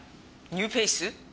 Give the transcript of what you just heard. ニューフェイス？